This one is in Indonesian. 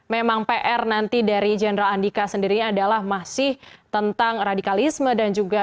memang pr nanti dari jenderal andika sendiri adalah masih tentang radikalisme dan juga